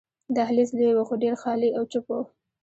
دهلېز لوی وو، خو ډېر خالي او چوپ وو.